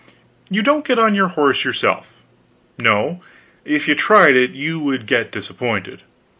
You don't get on your horse yourself; no, if you tried it you would get disappointed.